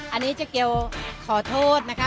อันนี้เจ๊เกียวขอโทษนะคะ